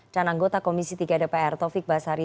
dan anggota komisi tiga dpr taufik basari